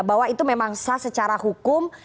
bahwa itu memang sah secara hukum